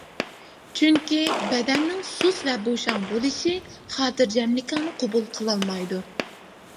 چۈنكى بەدەننىڭ سۇس ۋە بوشاڭ بولۇشى خاتىرجەملىكىڭنى قوبۇل قىلالمايدۇ.